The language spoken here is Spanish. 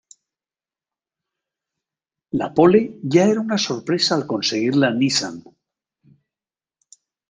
La "pole" ya era una sorpresa al conseguirla Nissan.